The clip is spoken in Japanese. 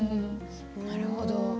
なるほど。